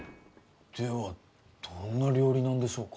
ではどんな料理なんでしょうか？